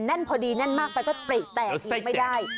แน่นพอดีแน่นมากไปก็ปริแตกทิ้งไม่ได้